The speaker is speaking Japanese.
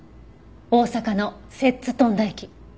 大阪の摂津富田駅。